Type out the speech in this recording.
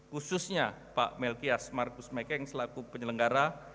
khususnya pak melkias markus mekeng selaku penyelenggara